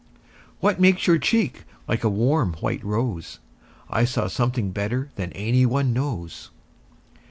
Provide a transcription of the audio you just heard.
What makes your cheek like a warm white rose? I saw something better than any one knows.